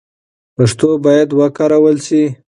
پښتو باید وکارول سي.